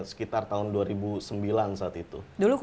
sekitar tahun dua ribu sembilan saat itu